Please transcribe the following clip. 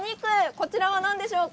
こちらは何でしょうか。